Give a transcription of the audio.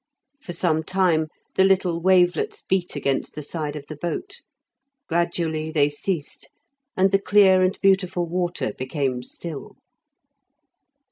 For some time the little wavelets beat against the side of the boat; gradually they ceased, and the clear and beautiful water became still.